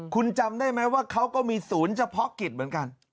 คุณจำได้ไหมว่าเขาก็มีศูนย์เฉพาะกิจเหมือนกัน